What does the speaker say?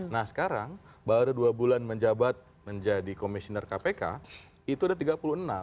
nah sekarang baru dua bulan menjabat menjadi komisioner kpk itu ada tiga puluh enam